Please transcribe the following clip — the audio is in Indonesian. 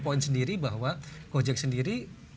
poin sendiri bahwa gojek sendiri